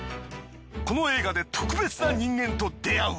この映画で特別な人間と出会う。